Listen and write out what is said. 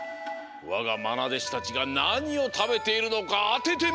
わがまなでしたちがなにをたべているのかあててみよ！